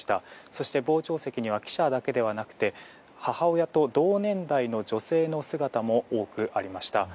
そして傍聴席には記者だけではなくて母親と同年代の女性の姿も多くありました。